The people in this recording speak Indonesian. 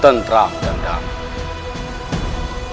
tentram dan damai